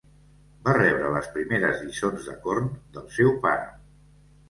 Va rebre les primeres lliçons de corn del seu pare.